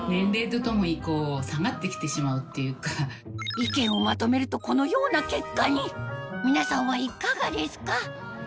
意見をまとめるとこのような結果に皆さんはいかがですか？